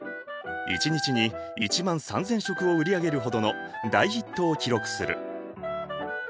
一日に１万３，０００食を売り上げるほどの大ヒットを記録する。